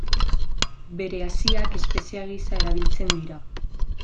Bere haziak espezia gisa erabiltzen dira.